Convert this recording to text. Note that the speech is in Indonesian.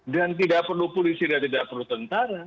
dan tidak perlu polisi dan tidak perlu tentara